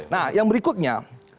nah yang berikutnya